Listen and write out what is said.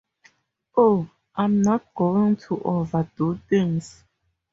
Oh, I’m not going to overdo things.